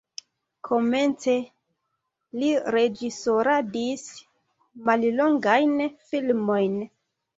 Komence li reĝisoradis mallongajn filmojn.